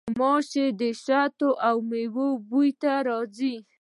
غوماشې د شاتو او میوو بوی ته راځي.